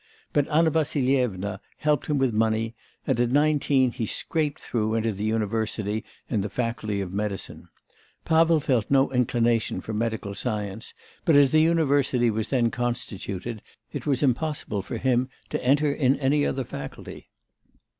But Anna Vassilyevna helped him with money, and at nineteen he scraped through into the university in the faculty of medicine. Pavel felt no inclination for medical science, but, as the university was then constituted, it was impossible for him to enter in any other faculty.